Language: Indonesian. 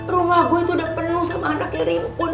rumah gue udah penuh sama anaknya rimpun